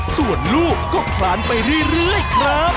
ส่วนลูกก็คลานไปเรื่อยครับ